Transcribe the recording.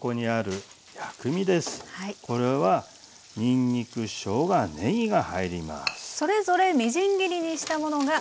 これはにんにくしょうがねぎが入ります。